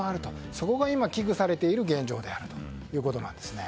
そこが今危惧されている現状であるということなんです。